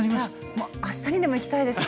もう明日にでも行きたいです。